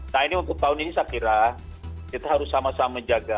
nah ini untuk tahun ini saya kira kita harus sama sama menjaga